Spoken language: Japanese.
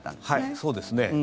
はい、そうですね。